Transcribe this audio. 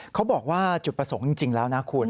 เขาบอกว่าจุดประสงค์จริงแล้วนะคุณ